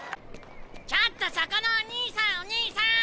ちょっとそこのお兄さんお姉さん！